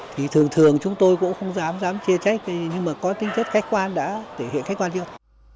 thì thường thường chúng tôi cũng không dám chia trách nhưng mà có tinh thức khách quan đã thể hiện khách quan được